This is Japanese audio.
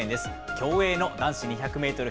競泳の男子２００メートル